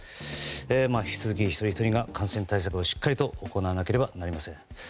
引き続き一人ひとりが感染対策をしっかり行われければなりません。